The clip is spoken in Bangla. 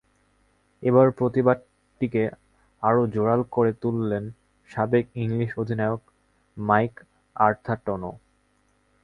এবার প্রতিবাদটিকে আরও জোরাল করে তুললেন সাবেক ইংলিশ অধিনায়ক মাইক আথারটনও।